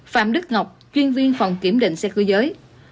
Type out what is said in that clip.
phạm đức ngọc chuyên viên phòng kiểm định xe cơ giới